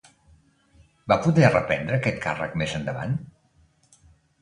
Va poder reprendre aquest càrrec més endavant?